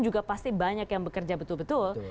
juga pasti banyak yang bekerja betul betul